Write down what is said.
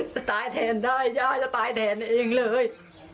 จะตายแทนได้ย่าจะตายแทนเองเลย